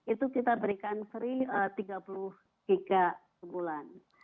itu kita berikan free tiga puluh giga sebulan